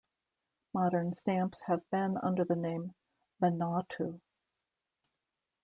Modern stamps have been under the name Vanuatu.